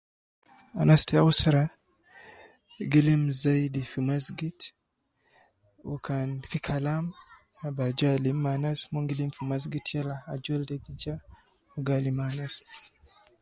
Anas ta usra gi lim zaidi fi masgit, wu kan fi kalam ab aju alim me anas, mon gi lim fi masgit yala ajol de gi ja, uwo gi alim anas